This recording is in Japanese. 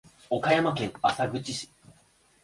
岡山県浅口市